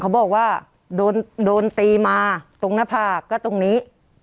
เขาบอกว่าโดนตีมาตรงหน้าผากก็ตรงนี้